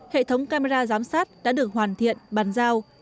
hệ thống camera giám sát đã được hoàn thiện bàn giao